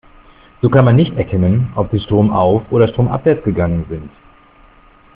So kann man nicht erkennen, ob sie stromauf- oder stromabwärts gegangen sind.